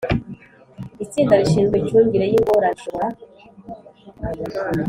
Itsinda rishinzwe imicungire y ingorane rishobora